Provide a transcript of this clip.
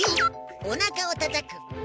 Ｂおなかをたたく。